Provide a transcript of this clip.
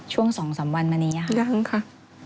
ช่วงสองสามวันมานี้อะค่ะยังค่ะ